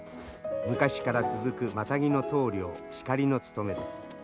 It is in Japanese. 昔から続くマタギの統領シカリの務めです。